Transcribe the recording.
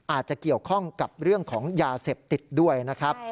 อาจจะเกี่ยวข้องกับเรื่องของยาเสพติดด้วยนะครับ